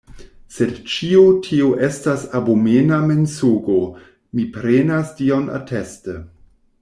Sed ĉio tio estas abomena mensogo; mi prenas Dion ateste.